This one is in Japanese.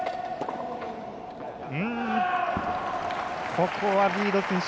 ここはリード選手